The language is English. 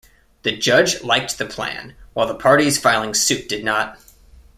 The judge liked the plan, while the parties filing suit did not.